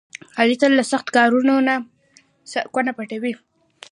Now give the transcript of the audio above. علي تل له سخت کار نه کونه پټوي.